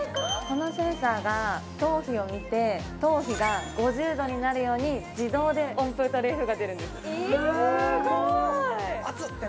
このセンサーが頭皮を見て頭皮が５０度になるように自動で温風と冷風が出るんですすーごーい！